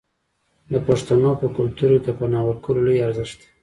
د پښتنو په کلتور کې د پنا ورکول لوی ارزښت دی.